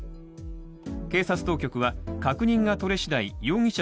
警察当局は確認が取れしだい容疑者